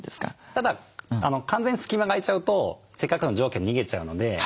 ただ完全に隙間が空いちゃうとせっかくの蒸気が逃げちゃうので。